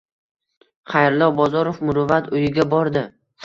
Xayrullo Bozorov “Muruvvat” uyiga bordi